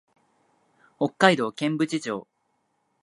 北海道剣淵町